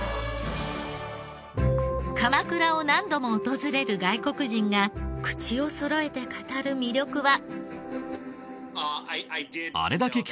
鎌倉を何度も訪れる外国人が口をそろえて語る魅力は？